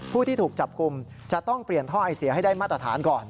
ผู้ที่ถูกจับกลุ่มจะต้องเปลี่ยนท่อไอเสียให้ได้มาตรฐานก่อน